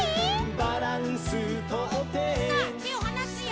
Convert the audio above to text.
「バランスとって」さあてをはなすよ。